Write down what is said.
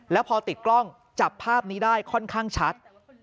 แล้วพอติดกล้องจับภาพนี้ได้ค่อนข้างชัด